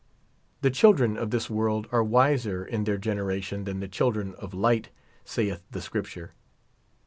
The children of this world are wiser in their generation than the children of light, sayeth the Scripture.